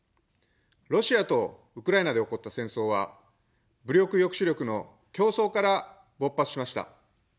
ロシアとウクライナで起こった戦争は、武力抑止力の競争から勃発しました。